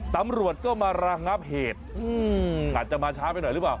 ตำรวจก็มาระงับเหตุอาจจะมาช้าไปหน่อยหรือเปล่า